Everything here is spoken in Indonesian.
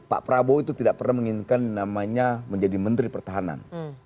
pak prabowo itu tidak pernah menginginkan namanya menjadi menteri pertahanan